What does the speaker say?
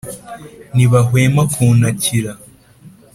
Ntibahwema kuntakira.